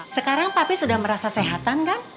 sekarang papi sudah merasa sehatan kan